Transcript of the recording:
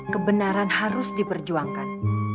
kebenaran harus diperjuangkan